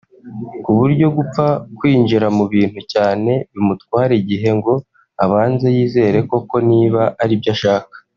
ku buryo gupfa kwinjira mu bintu cyane bimutwara igihe ngo abanze yizere koko niba aribyo ashaka